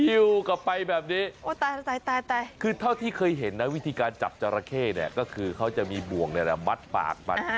กลับไปแบบนี้คือเท่าที่เคยเห็นนะวิธีการจับจราเข้เนี่ยก็คือเขาจะมีบ่วงมัดปากมัน